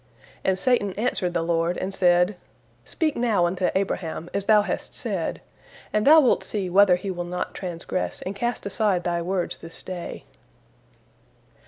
And Satan answered the Lord, and said, "Speak now unto Abraham as Thou hast said, and Thou wilt see whether he will not transgress and cast aside Thy words this day."